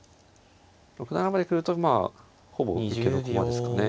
６七まで来るとまあほぼ受けの駒ですかね。